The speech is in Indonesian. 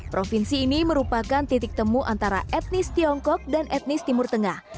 provinsi ini merupakan titik temu antara etnis tiongkok dan etnis timur tengah